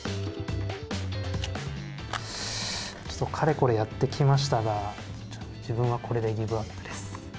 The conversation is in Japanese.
ちょっとかれこれやってきましたが、自分はこれでギブアップです。